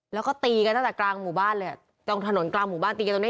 แล้วก็ตีกันตั้งแต่กลางหมู่บ้านเลยอ่ะตรงถนนกลางหมู่บ้านตีกันตรงนี้